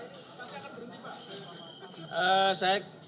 ini pasti akan berhenti pak